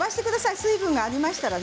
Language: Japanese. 水分がありましたらね。